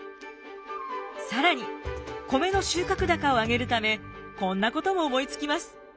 更に米の収穫高を上げるためこんなことも思いつきます。